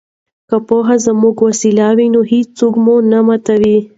که پوهه زموږ وسله وي نو هیڅوک مو نه ماتوي.